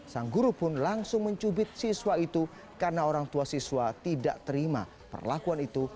sang guru pun langsung mencubit siswa itu karena orang tua siswa tidak terima perlakuan itu